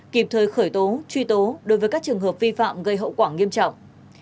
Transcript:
kịp thời khởi tố truy tố đối với các trường hợp vi phạm gây hậu quả nghiêm trọng